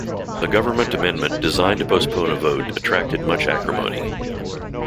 A government amendment designed to postpone a vote attracted much acrimony.